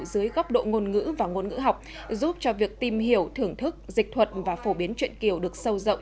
dưới góc độ ngôn ngữ và ngôn ngữ học giúp cho việc tìm hiểu thưởng thức dịch thuật và phổ biến chuyện kiều được sâu rộng